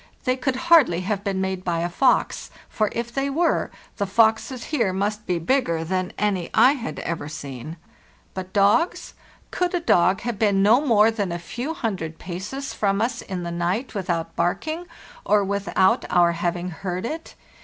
They could hardly have been made by a fox, for if they were, the foxes here must be bigger than any I had ever seen. But dogs? Could a dog have been no more than a few hundred paces from us in the night without bark ing, or without our having heard it?